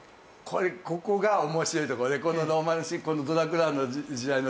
これここが面白いところでこのロマン主義このドラクロワの時代の。